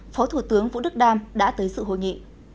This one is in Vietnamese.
phó thủ tướng vũ đức đam đã tới sự hội nghị